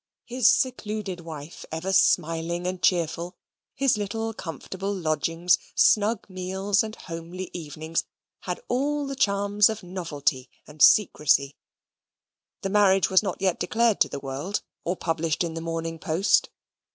His secluded wife ever smiling and cheerful, his little comfortable lodgings, snug meals, and homely evenings, had all the charms of novelty and secrecy. The marriage was not yet declared to the world, or published in the Morning Post.